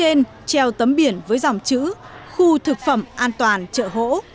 trên treo tấm biển với dòng chữ khu thực phẩm an toàn chợ hỗ